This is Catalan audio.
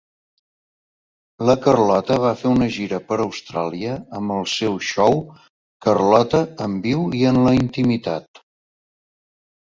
La Carlotta va fer una gira per Austràlia amb el seu show "Carlotta: En viu i en la intimitat".